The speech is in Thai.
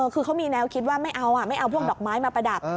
คือเขามีแนวคิดว่าไม่เอาไม่เอาพวกดอกไม้มาประดับ